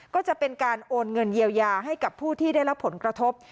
ก็จะเป็นการโอนเงินเยียวยาให้กับผู้ที่ได้รับผลกระทบ